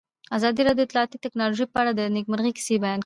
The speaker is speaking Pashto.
ازادي راډیو د اطلاعاتی تکنالوژي په اړه د نېکمرغۍ کیسې بیان کړې.